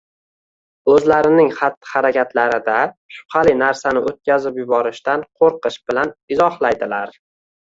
o‘zlarining xatti-harakatlarida shubhali narsani o‘tkazib yuborishdan qo‘rqish bilan izohlaydilar.